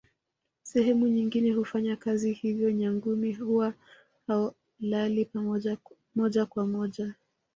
Sehemu nyingine hufanya kazi hivyo Nyangumi huwa halali moja kwa moja